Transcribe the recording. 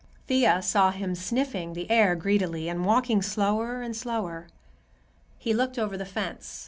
Thea saw him sniffing the air greedily and walking slower and slower. He looked over the fence.